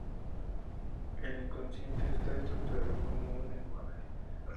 El inconsciente está estructurado como un lenguaje.